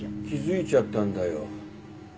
気づいちゃったんだよ。